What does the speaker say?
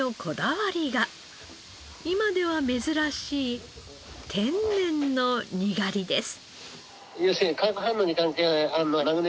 今では珍しい天然のにがりです。